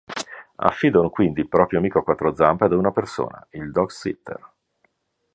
Affidano quindi il proprio amico a quattro zampe ad una persona: il dog sitter.